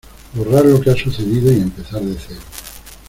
borrar lo que ha sucedido y empezar de cero...